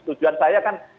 tujuan saya kan